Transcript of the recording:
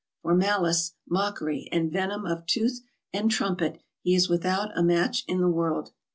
For malice, mockery, and venom of tooth and trumpet he is without a match in the world.